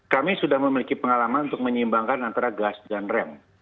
kami sudah memiliki pengalaman untuk menyeimbangkan antara gas dan rem